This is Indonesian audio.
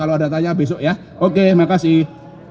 kalau ada tanya besok ya oke makasih